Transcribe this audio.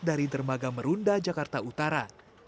dari dermaga merunda jakarta utara